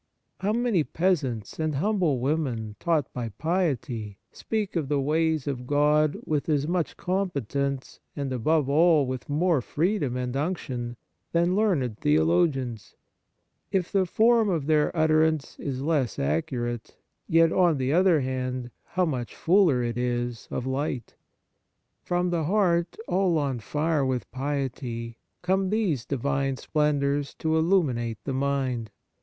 How many peasants and humble women, taught by piety, speak of the ways of God with as much com petence, and, above all, with more freedom and unction, than learned theologians ! If the form of their utterance is less accurate, yet, on the other hand, how much fuller it is of light ! From the heart all on fire with piety come these divine splendours to illuminate the mind.